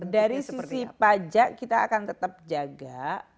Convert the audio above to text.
dari sisi pajak kita akan tetap jaga